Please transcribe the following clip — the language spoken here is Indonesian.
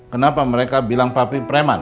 kenapa mereka bilang pabrik preman